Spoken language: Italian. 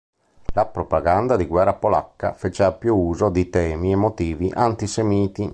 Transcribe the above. La propaganda di guerra polacca fece ampio uso di temi e motivi antisemiti.